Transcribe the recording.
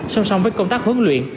song song với công tác huấn luyện